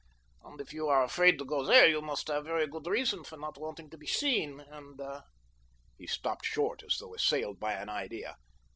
And if you are afraid to go there you must have very good reasons for not wanting to be seen, and—" he stopped short as though assailed by an idea.